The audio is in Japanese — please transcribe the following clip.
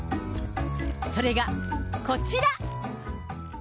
それがこちら。